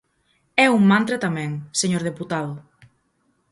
É un mantra tamén, señor deputado.